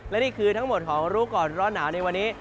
และนี่คือทั้งหมดของรู้ก่อนร้อนหนาวในวันนี้